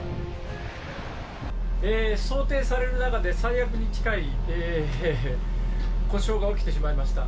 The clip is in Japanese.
想定される中で最悪に近い故障が起きてしまいました。